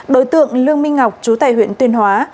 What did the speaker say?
đối tượng lương minh ngọc trú tại huyện tuyên hóa